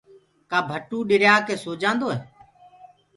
ڪآ ڀٽوُ ڏريآ ڪي سوجآندو هي؟